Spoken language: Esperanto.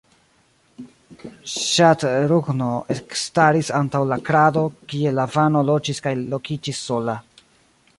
Ŝatrughno ekstaris antaŭ la krado kie Lavano loĝis kaj lokiĝis sola.